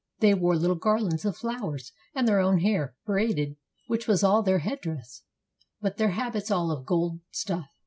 They wore little garlands of flowers, and their own hair, braided, which was all their headdress; but their habits all of gold stuffs.